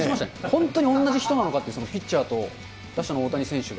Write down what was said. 本当に同じ人なのかって、ピッチャーと打者の大谷選手が。